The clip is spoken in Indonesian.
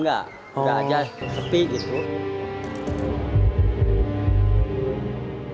nggak nggak ada sepi gitu